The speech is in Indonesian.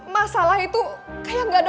masalah itu kayak gak ada